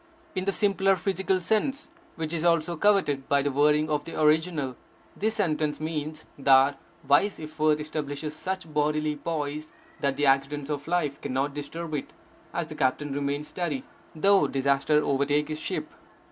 In the simpler physical sense, which is also coveted by the wording of the original, this sentence means that wise effort establishes such bodily poise that the accidents of life cannot disturb it, as the captain remains steady, though disaster overtake his ship.